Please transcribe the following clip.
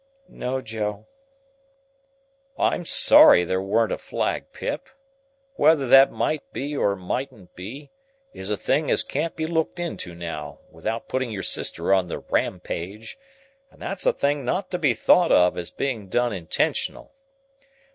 "No, Joe." "(I'm sorry there weren't a flag, Pip). Whether that might be or mightn't be, is a thing as can't be looked into now, without putting your sister on the Rampage; and that's a thing not to be thought of as being done intentional.